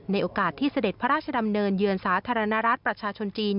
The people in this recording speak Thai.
โอกาสที่เสด็จพระราชดำเนินเยือนสาธารณรัฐประชาชนจีน